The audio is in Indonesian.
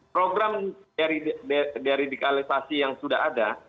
program deradikalisasi yang sudah ada